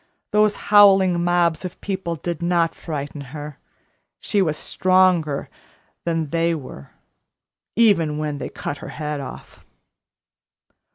Those howling mobs of people did not frighten her. She was stronger than they were even when they cut her head off."